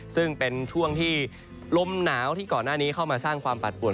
ซึ่งเป็นช่วงที่ลมหนาวที่ก่อนหน้านี้เข้ามาสร้างความปัดป่วน